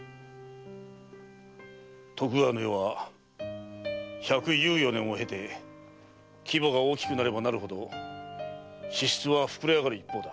徳川の世は百有余年を経て規模が大きくなればなるほど支出は膨れ上がる一方だ。